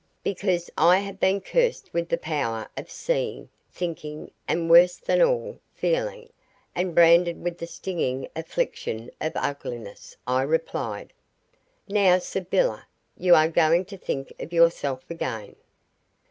"Because I have been cursed with the power of seeing, thinking, and, worse than all, feeling, and branded with the stinging affliction of ugliness," I replied. "Now, Sybylla, you are going to think of yourself again.